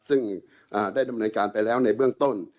ซึ่งได้ดำเนินการไปแล้วในเบื้องต้น